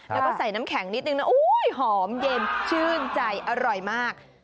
แล้วก็ใส่น้ำแข็งนิดนึงนะหอมเย็นชื่นใจอร่อยมาก